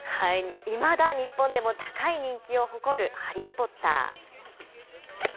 いまだ日本でも高い人気を誇るハリー・ポッター。